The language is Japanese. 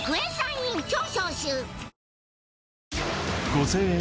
５０００円